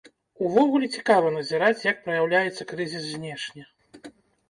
Увогуле, цікава назіраць, як праяўляецца крызіс знешне.